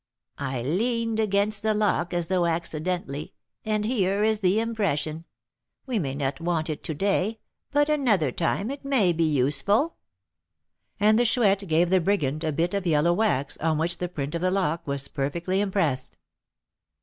I leaned against the lock as though accidentally, and here is the impression; we may not want it to day, but another time it may be useful." And the Chouette gave the brigand a bit of yellow wax, on which the print of the lock was perfectly impressed.